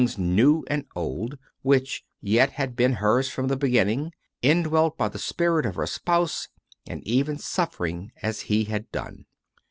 CONFESSIONS OF A CONVERT 109 new and old, which yet had been hers from the beginning, indwelt by the Spirit of her Spouse, and even suffering as He had done.